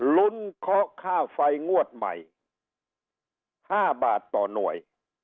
ลุ้นเคาะค่าไฟงวดใหม่๕บาทต่อหน่วย